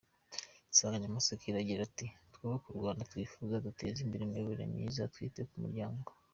Insanganyamatsiko iragira iti “Twubake u Rwanda twifuza, duteza imbere imiyoborere myiza, twita ku muryango”.